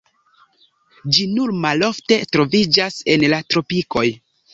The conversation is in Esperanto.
Ĝi nur malofte troviĝas en la tropikoj.